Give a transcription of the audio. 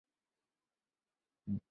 同时也有强大的精神防御力。